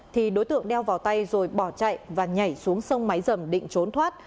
thì đối tượng đeo vào tay rồi bỏ chạy và nhảy xuống sông máy dầm định trốn thoát